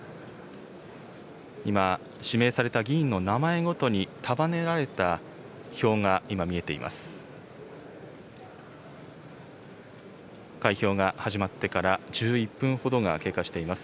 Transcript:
今、指名された議員の名前ごとに束ねられた票が今、見えています。